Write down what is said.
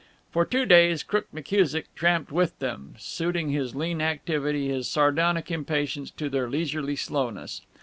For two days Crook McKusick tramped with them, suiting his lean activity, his sardonic impatience, to their leisurely slowness.